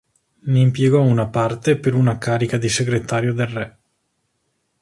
Ne impiegò una parte per una carica di segretario del re.